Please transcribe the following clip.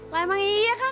lah emang iya kan